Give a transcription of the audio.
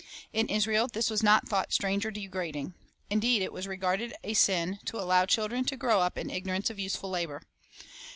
In Israel this was not thought strange or degrading; indeed, it was regarded as a sin to allow children to grow up in ignorance of useful labor.